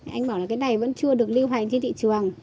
anh bảo là cái này vẫn chưa được lưu hành trên thị trường